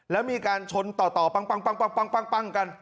แล้วมีการชนต่อปั้งกัน